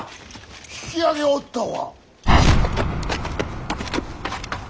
引き揚げおったわ。